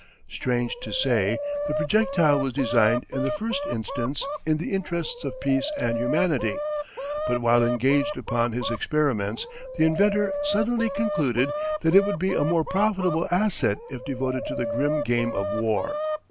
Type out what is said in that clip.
Strange to say, the projectile was designed in the first instance in the interests of peace and humanity, but while engaged upon his experiments the inventor suddenly concluded that it would be a more profitable asset if devoted to the grim game of war.